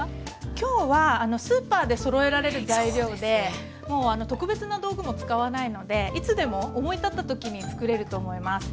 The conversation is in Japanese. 今日はスーパーでそろえられる材料でもう特別な道具も使わないのでいつでも思い立った時に作れると思います。